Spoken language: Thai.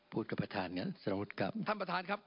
พูดกับประธานกันสำหรับคุณครับท่านประธานครับ